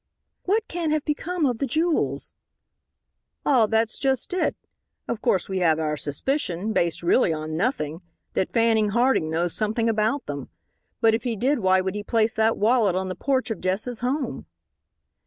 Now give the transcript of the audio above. "What can have become of the jewels?" "Ah, that's just it. Of course we have our suspicion, based really on nothing, that Fanning Harding knows something about them. But if he did why would he place that wallet on the porch of Jess's home?"